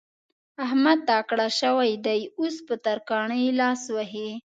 احمد تکړه شوی دی؛ اوس په ترکاڼي لاس وهي.